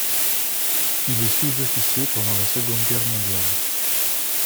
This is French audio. Il est sous-officier pendant la Seconde Guerre mondiale.